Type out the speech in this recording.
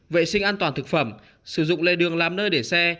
vệ sinh an toàn thực phẩm sử dụng lê đường làm nơi để xe